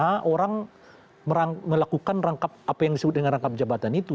karena orang melakukan rangkap apa yang disebut dengan rangkap jabatan itu